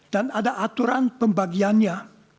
dan ada aturan pembagiannya